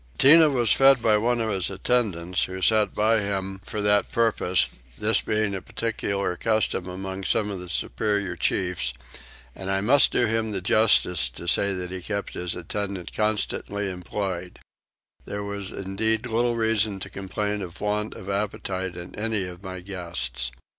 Tinah was fed by one of his attendants who sat by him for that purpose, this being a particular custom among some of the superior chiefs; and I must do him the justice to say he kept his attendant constantly employed: there was indeed little reason to complain of want of appetite in any of my guests.